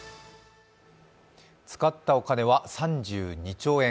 使ったお金は３２兆円。